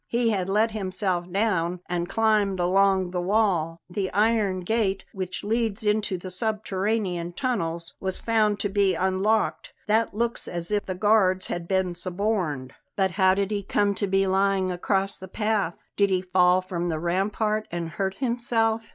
He had let himself down and climbed along the wall. The iron gate, which leads into the subterranean tunnels, was found to be unlocked. That looks as if the guards had been suborned." "But how did he come to be lying across the path? Did he fall from the rampart and hurt himself?"